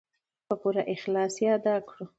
په پوره اخلاص یې ادا کړو.